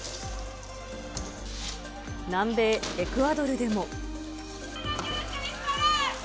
南米エクアドルでも。